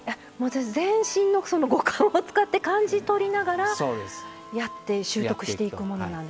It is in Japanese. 全身のその五感を使って感じ取りながらやって習得していくものなんですか。